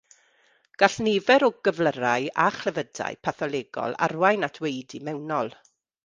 Gall nifer o gyflyrau a chlefydau patholegol arwain at waedu mewnol.